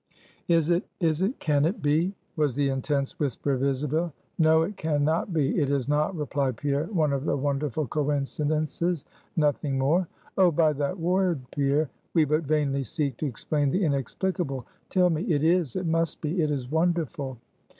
"Is it? is it? can it be?" was the intense whisper of Isabel. "No, it can not be, it is not," replied Pierre; "one of the wonderful coincidences, nothing more." "Oh, by that word, Pierre, we but vainly seek to explain the inexplicable. Tell me: it is! it must be! it is wonderful!"